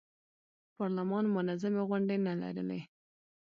پارلمان منظمې غونډې نه لرلې.